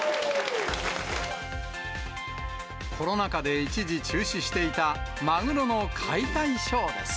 コロナ禍で一時中止していた、マグロの解体ショーです。